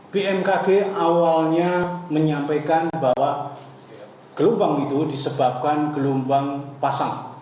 bmkg awalnya menyampaikan bahwa gelumpang itu disebabkan gelumpang pasang